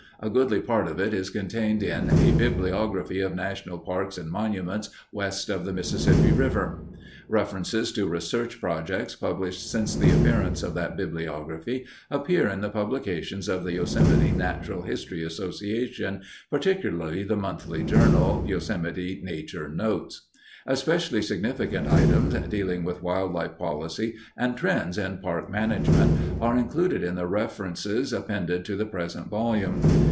A goodly part of it is contained in A Bibliography of National Parks and Monuments West of the Mississippi River. References to research projects published since the appearance of that bibliography appear in the publications of the Yosemite Natural History Association, particularly the monthly journal, Yosemite Nature Notes. Especially significant items dealing with wildlife policy and trends in park management are included in the references appended to the present volume.